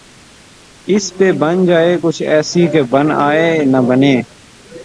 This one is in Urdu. اس پہ بن جائے کچھ ایسی کہ بن آئے نہ بنے